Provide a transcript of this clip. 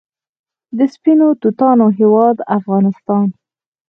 د سپینو توتانو هیواد افغانستان.